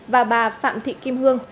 và bà phạm thị kim hương